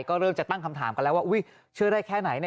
ก็เริ่มจะตั้งคำถามกันแล้วว่าเชื่อได้แค่ไหน